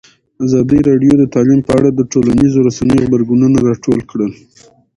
ازادي راډیو د تعلیم په اړه د ټولنیزو رسنیو غبرګونونه راټول کړي.